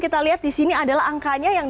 kita lihat di sini adalah angkanya yang